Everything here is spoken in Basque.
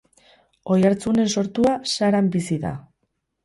Oiartzunen sortua, Saran bizi da.